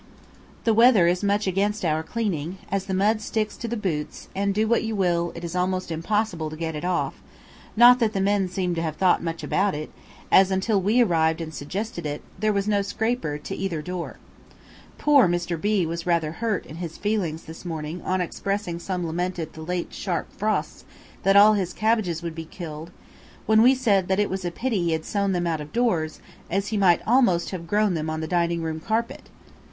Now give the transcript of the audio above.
The weather is much against our cleaning, as the mud sticks to the boots and, do what you will, it is almost impossible to get it off; not that the men seem to have thought much about it, as, until we arrived and suggested it, there was no scraper to either door. Poor Mr. B was rather hurt in his feelings this morning on expressing some lament at the late sharp frosts, that all his cabbages would be killed, when we said that it was a pity he had sown them out of doors, as he might almost have grown them on the dining room carpet.